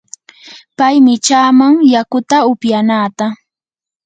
pay michaaman yakuta upyanaata.